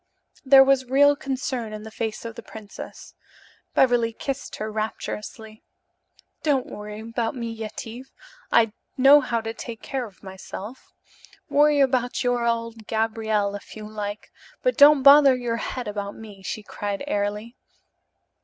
There was real concern in the face of the princess. Beverly kissed her rapturously. "Don't worry about me, Yetive. I know how to take care of myself. Worry about your old Gabriel, if you like, but don't bother your head about me," she cried airily.